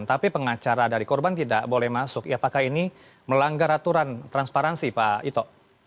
tapi pengacara dari korban tidak boleh masuk ya apakah ini melanggar aturan transparansi pak ito